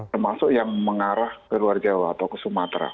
termasuk yang mengarah ke luar jawa atau ke sumatera